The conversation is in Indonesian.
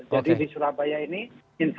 jadi di surabaya ini